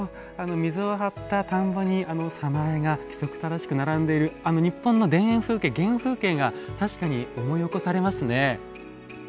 水を張った田んぼに早苗が規則正しく並んでいるあの日本の田園風景原風景が確かに思い起こされますね。